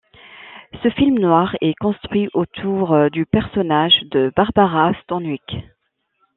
Ce film noir est construit autour du personnage de Barbara Stanwyck.